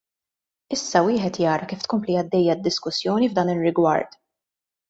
Issa wieħed jara kif tkompli għaddejja d-diskussjoni f'dan ir-rigward.